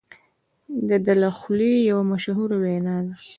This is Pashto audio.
د ده د خولې یوه مشهوره وینا ده.